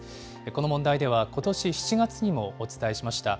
この問題では、ことし７月にもお伝えしました。